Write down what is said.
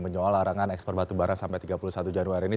menyoal larangan ekspor batubara sampai tiga puluh satu januari ini